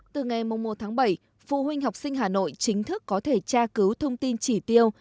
từ ngày một tháng bảy phụ huynh học sinh hà nội chính thức có thể tra cứu thông tin chỉ tiêu